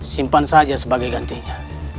simpan saja sebagai gantinya